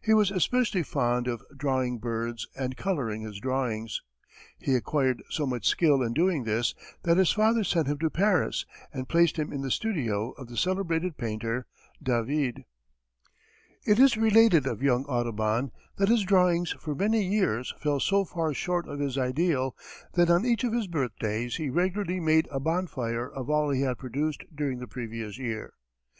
He was especially fond of drawing birds and coloring his drawings. He acquired so much skill in doing this that his father sent him to Paris and placed him in the studio of the celebrated painter, David. It is related of young Audubon that his drawings for many years fell so far short of his ideal, that on each of his birthdays he regularly made a bonfire of all he had produced during the previous year.